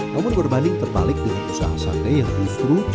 namun berbanding terbalik dengan usaha sate yang justru